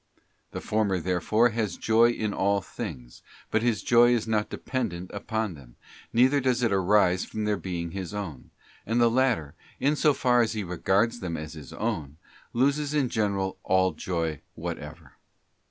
The former, therefore, has joy in all things, but his joy is ————— not dependent upon them, neither does it arise from their being his own: and the latter, in so far as he regards them as his own, loses in general all joy whatever.